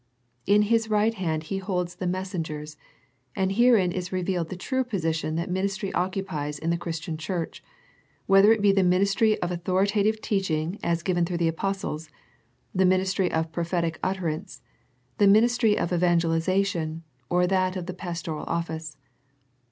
In His right hand He holds the messengers, and herein is revealed the true position that ministry occupies in the Christian Church, whether it be the ministry of authoritative teaching as given through the apostles, the ministry of prophetic utterance, the ministry of evangelization, or that of the pastoral office.